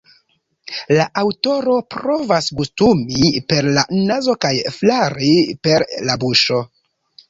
La aŭtoro provas gustumi per la nazo kaj flari per la buŝo.